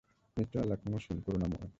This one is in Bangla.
নিশ্চয় আল্লাহ ক্ষমাশীল, করুনাময়।